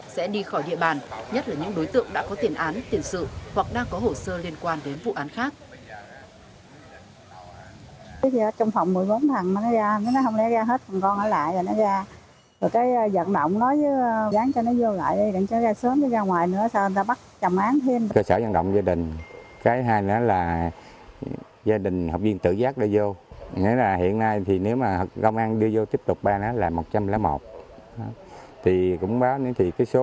sẽ đi khỏi địa bàn nhất là những đối tượng đã có tiền án tiền sự hoặc đang có hồ sơ liên quan đến vụ án khác